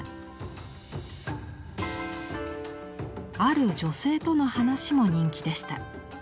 ある女性との話も人気でした。